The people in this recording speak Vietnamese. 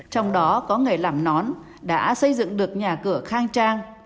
trong đó có nghề làm nón đã xây dựng được nhà cửa khang trang